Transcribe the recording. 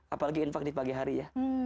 apalagi infak di pagi hari ya